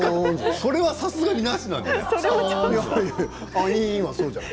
それはさすがにないんじゃない。